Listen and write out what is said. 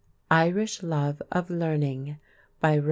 IRISH LOVE OF LEARNING By REV.